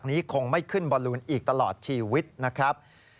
คงไม่ขึ้นบอลลูนอีกตลอดชีวิตนะครับ